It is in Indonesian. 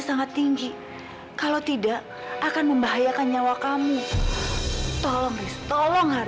sampai jumpa di video selanjutnya